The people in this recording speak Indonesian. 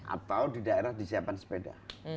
atau di daerah disiapkan sepeda